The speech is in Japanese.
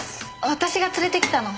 私が連れてきたの。